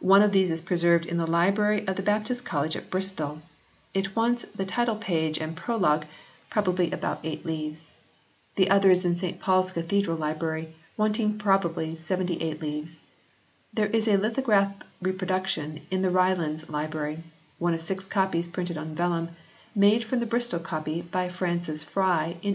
One of these is preserved in the library of the Baptist College at Bristol ; it wants the title page and in] TYNDALE S PRINTED TRANSLATION 43 prologue, probably about eight leaves. The other is in St Paul s Cathedral Library, wanting probably 78 leaves. There is a lithographed reproduction in the Ryland s Library, one of six copies printed on vellum, made from the Bristol copy by Francis Fry in 1862.